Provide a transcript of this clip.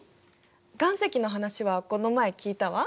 岩石の話はこの前聞いたわ。